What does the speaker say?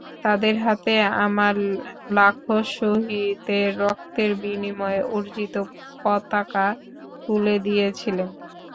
তাঁদের হাতে আমার লাখো শহীদের রক্তের বিনিময়ে অর্জিত পতাকা তুলে দিয়েছিলেন।